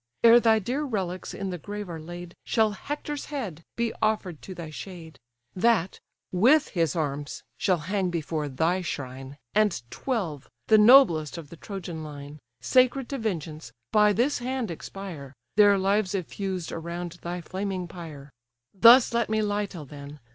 Ere thy dear relics in the grave are laid, Shall Hector's head be offer'd to thy shade; That, with his arms, shall hang before thy shrine; And twelve, the noblest of the Trojan line, Sacred to vengeance, by this hand expire; Their lives effused around thy flaming pyre. Thus let me lie till then!